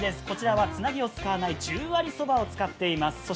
こちらはつなぎを使わない十割そばを使っています。